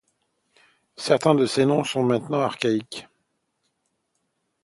Certains de ces noms sont maintenant archaïque.